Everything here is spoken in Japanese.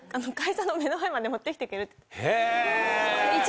へぇ。